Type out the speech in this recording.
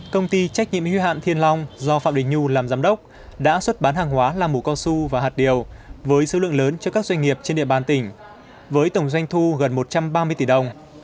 công ty trách nhiệm hưu hạn thiên long do phạm đình nhu làm giám đốc đã xuất bán hàng hóa là mù cao su và hạt điều với số lượng lớn cho các doanh nghiệp trên địa bàn tỉnh với tổng doanh thu gần một trăm ba mươi tỷ đồng